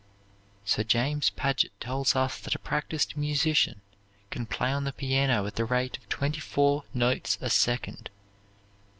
Sir James Paget tells us that a practised musician can play on the piano at the rate of twenty four notes a second.